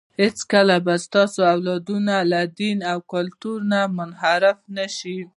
هېڅکله به ستاسو اولادونه له دین او کلتور نه منحرف نه شي.